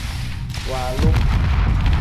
Waalu.